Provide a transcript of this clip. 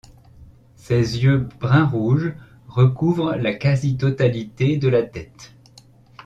Ses yeux brun-rouge recouvrent la quasi-totalité de la tête.